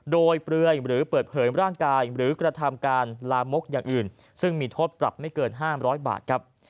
โดยเปลือยหรือเปิดเผยร่างกายหรือกระทำการลามกอย่างอื่นซึ่งมีโทษปรับไม่เกิน๕๐๐บาทครับ